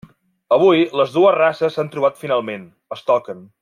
Avui, les dues races s'han trobat finalment; es toquen.